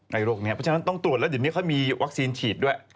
โรคนี้เพราะฉะนั้นต้องตรวจแล้วเดี๋ยวนี้เขามีวัคซีนฉีดด้วย